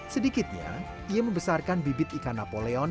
sedikitnya ia membesarkan bibit ikan napoleon